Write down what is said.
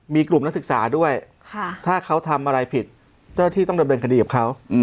มีกลุ่มนักศึกษาด้วยถ้าเขาทำอะไรผิดก็ที่ต้องเดินกับเขา